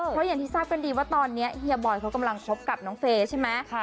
เพราะอย่างที่ทราบกันดีว่าตอนนี้เฮียบอยเขากำลังคบกับน้องเฟย์ใช่ไหม